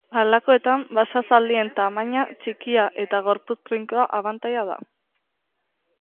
Halakoetan basa zaldien tamaina txikia eta gorputz trinkoa abantaila da.